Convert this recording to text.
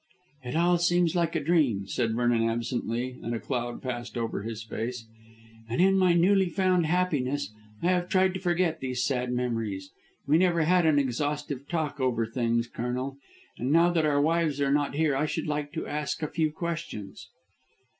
"It all seems like a dream," said Vernon absently, and a cloud passed over his face, "and in my newly found happiness I have tried to forget these sad memories. We never had an exhaustive talk over things, Colonel, and now that our wives are not here I should like to ask a few questions."